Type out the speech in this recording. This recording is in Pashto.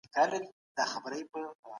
نه هګۍ پرېږدي نه